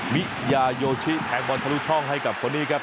มิยาโยชิแทงบอลทะลุช่องให้กับคนนี้ครับ